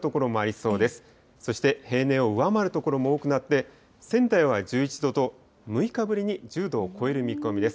そして平年を上回る所も多くなって、仙台は１１度と、６日ぶりに１０度を超える見込みです。